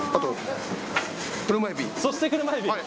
そして車エビ。